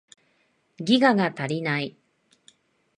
ギガが足りない